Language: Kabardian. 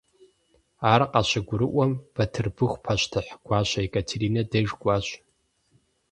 Ар къащыгурыӀуэм, Бытырбыху пащтыхь гуащэ Екатеринэ деж кӀуащ.